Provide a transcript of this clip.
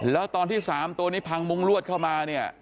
แล้วตอนที่๓ตัวนี้พังมุ้งลวดเข้ามาเนี่ย